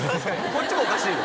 こっちもおかしいよ